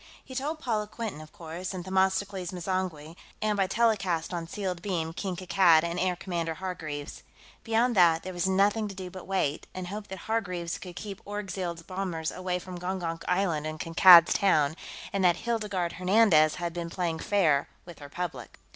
He told Paula Quinton, of course, and Themistocles M'zangwe, and, by telecast on sealed beam, King Kankad and Air Commodore Hargreaves. Beyond that, there was nothing to do but wait, and hope that Hargreaves could keep Orgzild's bombers away from Gongonk Island and Kankad's Town and that Hildegarde Hernandez had been playing fair with her public.